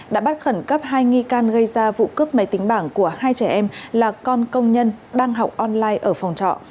đã bắt khẩn cấp hai nghi can gây ra vụ cướp máy tính bảng của hai trẻ em là con công nhân đang học online ở phòng trọ